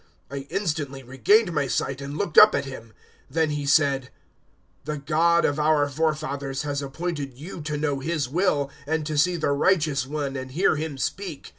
"I instantly regained my sight and looked up at him. 022:014 Then he said, `The God of our forefathers has appointed you to know His will, and to see the righteous One and hear Him speak.